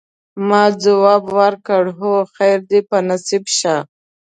ما ځواب ورکړ: هو، خیر دي په نصیب شه.